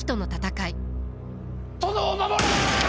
殿を守れ！